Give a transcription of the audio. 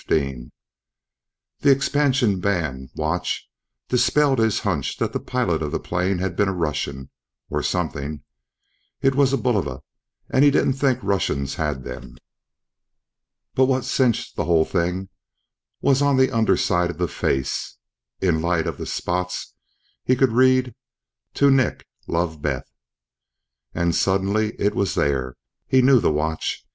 The expansion band watch dispelled his hunch that the pilot of the plane had been a Russian, or something; it was a Bulova, and he didn't think Russians had them. But what cinched the whole thing was on the under side of the face, in the light of the spots, he could read: "To Nick, Love, Beth." And suddenly, it was there! He knew the watch.